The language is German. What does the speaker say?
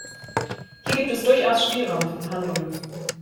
Hier gibt es durchaus Spielraum für Verhandlungen.